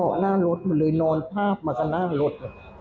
ก่อนหน้ารถมาเลยหลืนนวนภาพมาคนหน้ารถ